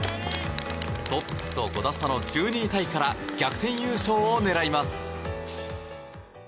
トップと５打差の１２位タイから逆転優勝を狙います。